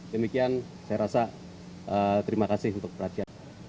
demikian saya rasa terima kasih untuk perhatian